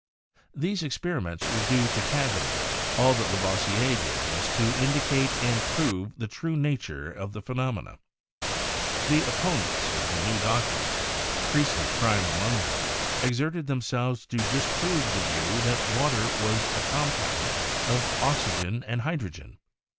These experiments were due to Cavendish ; all that Lavoisier did was to indicate and prove the true nature of the phenomena. The opponents of the new doctrines, Priestley prime among them, ex erted themselves to disprove the view that water was a compound of oxygen and hydrogen.